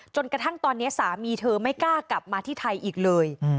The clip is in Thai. จนกระทั่งตอนนี้สามีเธอไม่กล้ากลับมาที่ไทยอีกเลย